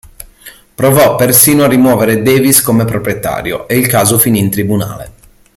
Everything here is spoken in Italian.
Provò persino a rimuovere Davis come proprietario e il caso finì in tribunale.